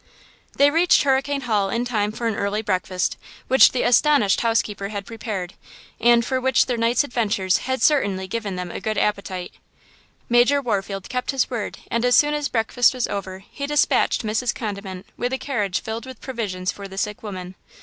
They reached Hurricane Hall in time for an early breakfast, which the astonished housekeeper had prepared, and for which their night's adventures had certainly given them a good appetite. Major Warfield kept his work, and as soon as breakfast was over he dispatched Mrs. Condiment with a carriage filled with provisions for the sick woman.